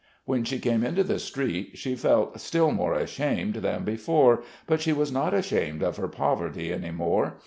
When she came into the street she felt still more ashamed than before, but she was not ashamed of her poverty any more.